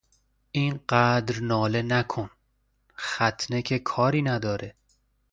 این قدر ناله نکن; ختنه که کاری نداره!